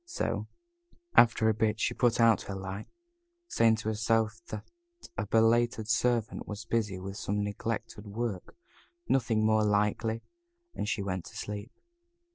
So, after a bit, she put out her light, saying to herself that a belated servant was busy with some neglected work nothing more likely and she went to sleep.